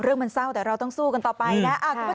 มันเศร้าแต่เราต้องสู้กันต่อไปนะ